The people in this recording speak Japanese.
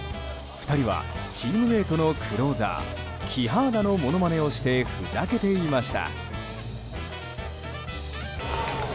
２人はチームメートのクローザーキハーダのものまねをしてふざけていました。